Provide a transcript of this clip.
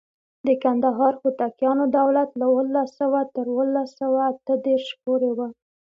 د کندهار هوتکیانو دولت له اوولس سوه تر اوولس سوه اته دیرش پورې و.